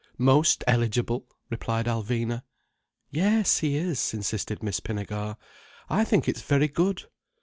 "Most eligible!" replied Alvina. "Yes, he is," insisted Miss Pinnegar. "I think it's very good."